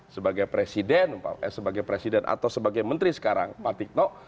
sebagai presiden eh sebagai presiden atau sebagai menteri sekarang pak tiktok